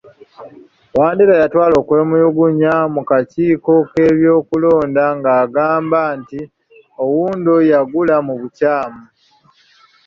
Wandera yatwala okwemulugunya mu kakiiko k'ebyokulonda ng'agamba nti Oundo yagula mu bukyamu